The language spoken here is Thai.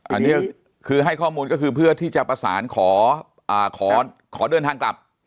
อันนี้ก็คือให้ข้อมูลก็คือเพื่อที่จะประสานขอเดินทางกลับ